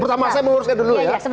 pertama saya menguruskan dulu ya